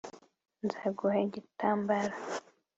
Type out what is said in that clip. nzaguha igitambaro